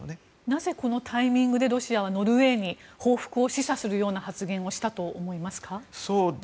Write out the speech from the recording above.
なぜこのタイミングでロシアはノルウェーに報復を示唆するような発言をしたと思いますか？